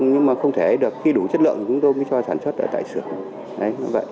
nhưng mà không thể được khi đủ chất lượng chúng tôi mới cho sản xuất ở tại sửa